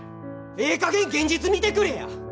ええかげん現実見てくれや！